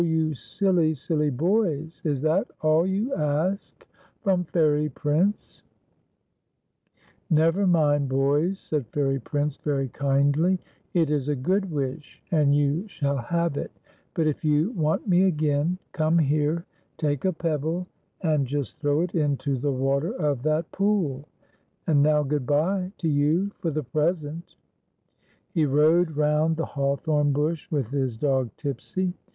you silly, silly boys, is that all you ask from Fairy Prince }"" Never mind, boys," said Fairy Prince very kindly, *'it is a good wish, and you shall have it; but if you want me again, come here, take a pebble, and just 1 26 TIPS Y 'S S/L VER BELL. throw it into the water of that pool ; and now good bye to you for the present." He rode round the hawthorn bush with his dog Tipsy.